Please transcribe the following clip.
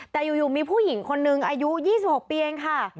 แต่อยู่มีผู้หญิงคนนึงอายุ๒๖ปีเองค่ะ